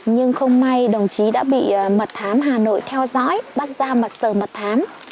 nhưng không may đồng chí đã bị mật thám hà nội theo dõi bắt ra mặt sờ mật thám